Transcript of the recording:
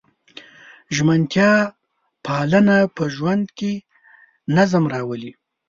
ژمنتیا پالنه په ژوند کې نظم راولي.